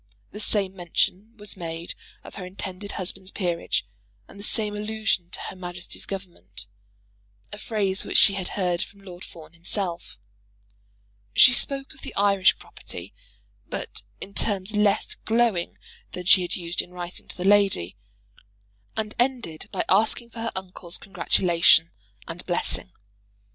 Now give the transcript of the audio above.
The same mention was made of her intended husband's peerage, and the same allusion to Her Majesty's Government, a phrase which she had heard from Lord Fawn himself. She spoke of the Irish property, but in terms less glowing than she had used in writing to the lady, and ended by asking for her uncle's congratulation and blessing.